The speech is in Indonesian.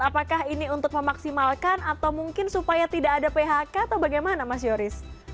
apakah ini untuk memaksimalkan atau mungkin supaya tidak ada phk atau bagaimana mas yoris